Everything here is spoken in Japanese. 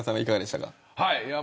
いかがでしたか。